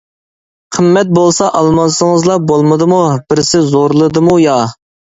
قىممەت بولسا ئالمىسىڭىزلا بولمىدىمۇ، بىرسى زورلىدىمۇ يا؟ !